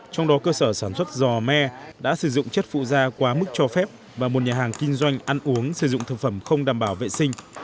trong đó cơ sở sản xuất giò me đã sử dụng chất phụ da quá mức cho phép và một nhà hàng kinh doanh ăn uống sử dụng thực phẩm không đảm bảo vệ sinh